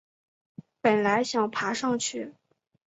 本来想爬上去